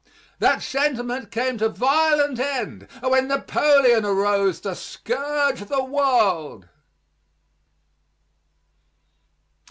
That sentiment came to violent end when Napoleon arose to scourge the world.